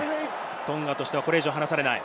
トンガとしては、これ以上離されない。